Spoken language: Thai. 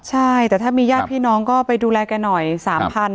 ใช่แต่ถ้ามีญาติพี่น้องก็ไปดูแลแกหน่อย๓๐๐๐